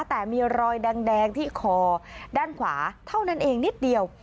แต่มีรอยแดงที่คอด้านขวาเท่านั้นเองนิดเดียว